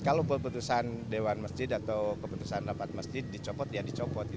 kalau keputusan dewan masjid atau keputusan rapat masjid dicopot ya dicopot